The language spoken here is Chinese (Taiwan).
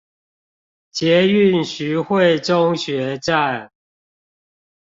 捷運徐匯中學站